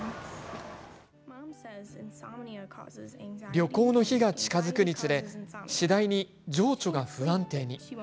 旅行の日が近づくにつれ次第に情緒が不安定に。